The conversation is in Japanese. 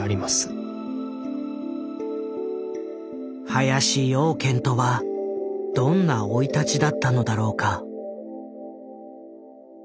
林養賢とはどんな生い立ちだったのだろうか。